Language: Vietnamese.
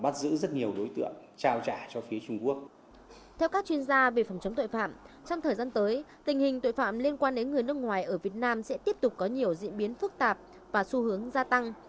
theo các chuyên gia về phòng chống tội phạm trong thời gian tới tình hình tội phạm liên quan đến người nước ngoài ở việt nam sẽ tiếp tục có nhiều diễn biến phức tạp và xu hướng gia tăng